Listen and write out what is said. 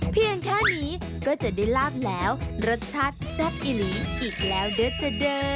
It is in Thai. เพียงแค่นี้ก็จะได้ลาบแล้วรสชาติแซ่บอิหลีอีกแล้วเด้อ